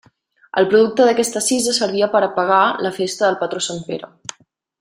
El producte d'aquesta cisa servia per a pagar la festa del patró sant Pere.